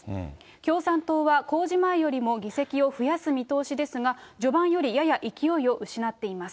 共産党は、公示前よりも議席を増やす見通しですが、序盤よりやや勢いを失っています。